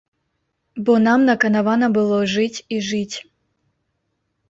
Бо нам наканавана было жыць і жыць.